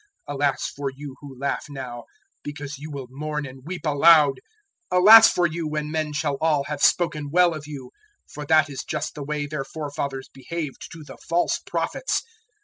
"Alas for you who laugh now, because you will mourn and weep aloud! 006:026 "Alas for you when men shall all have spoken well of you; for that is just the way their forefathers behaved to the false Prophets!